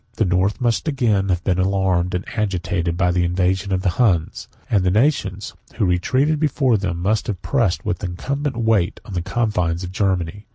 The North must again have been alarmed, and agitated, by the invasion of the Huns; 6411 and the nations who retreated before them must have pressed with incumbent weight on the confines of Germany.